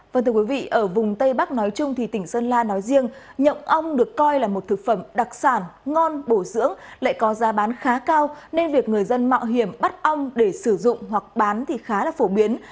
vâng thưa quý vị ở vùng tây bắc nói chung thì tỉnh sơn la nói riêng nhộng ong được coi là một thực phẩm đặc sản ngon bổ dưỡng lại có giá bán khá cao nên việc người dân mạo hiểm bắt ong để sử dụng hoặc bán thì khá là phổ biến